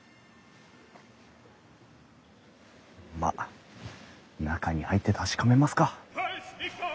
まっ中に入って確かめますか。